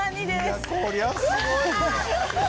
いやこりゃすごいわ。